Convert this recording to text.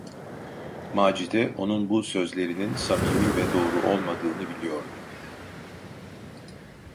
Macide onun bu sözlerinin samimi ve doğru olmadığını biliyordu.